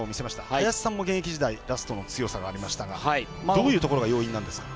林さんも現役時代ラストの強さがありましたがどういうところが要因なんですか。